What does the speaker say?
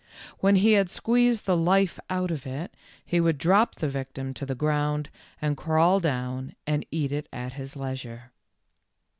When he had squeezed the life out of it, he would drop the victim to the ground and crawl down and eat it at his leisure.